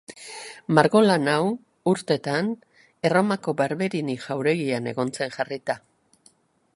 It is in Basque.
Margolan hau urtetan Erromako Barberini jauregian egon zen jarrita.